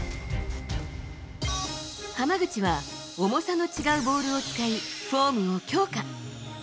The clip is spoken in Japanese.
浜口は重さの違うボールを使い、フォームを強化。